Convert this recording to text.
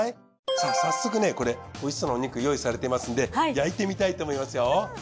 さあ早速これおいしそうなお肉用意されていますんで焼いてみたいと思いますよ。